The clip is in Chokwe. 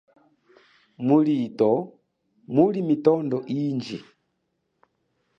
Mulito muli mitondo inji.